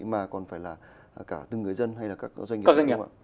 mà còn phải là cả từng người dân hay là các doanh nghiệp ạ